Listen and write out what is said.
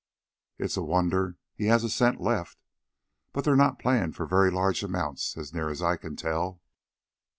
"It's a wonder he has a cent left. But they're not playing for very large amounts, as near as I can tell."